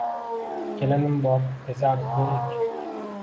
Kelinim bor, desa arzigulik.